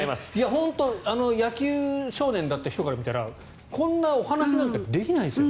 本当野球少年だった人から見たらこんなお話なんてできないですよ。